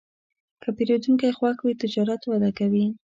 که پیرودونکی خوښ وي، تجارت وده کوي.